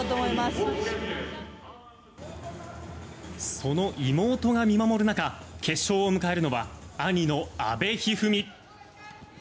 その妹が見守る中決勝を迎えるのは兄の阿部一二三。